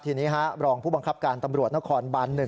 ทีนี้รองผู้บังคับการตำรวจนครบัน๑